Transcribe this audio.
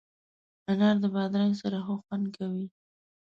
انار د بادرنګ سره ښه خوند کوي.